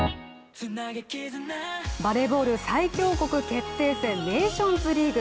バレーボール最強国決定戦ネーションズリーグ。